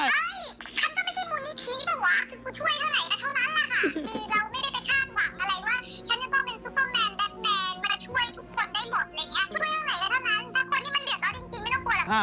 เฮ้ยฉันก็ไม่ใช่มูลนิธิแต่วะ